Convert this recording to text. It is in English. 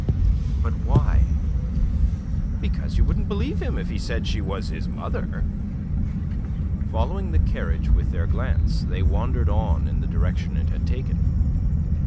"But why?" "Because you wouldn't believe him if he said she was his mother." Following the carriage with their glance, they wandered on in the direction it had taken.